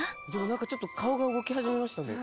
ちょっと顔が動き始めましたね。